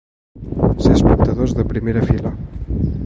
Ser espectadors de primera fila.